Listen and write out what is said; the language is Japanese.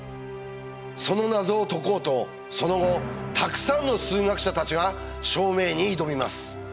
その謎を解こうとその後たくさんの数学者たちが証明に挑みます。